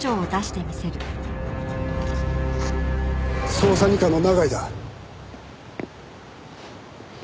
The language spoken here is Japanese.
捜査二課の永井だ。